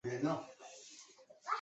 阿巴舍沃文化影响了。